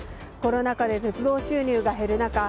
コロナ禍で鉄道収入が減る中